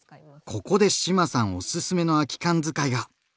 ここで志麻さんおすすめの空き缶使いが！